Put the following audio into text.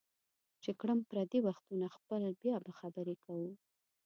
چې کړم پردي وختونه خپل بیا به خبرې کوو